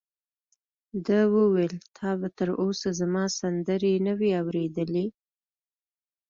ده وویل: تا به تر اوسه زما سندرې نه وي اورېدلې؟